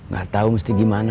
gak tau mesti gimana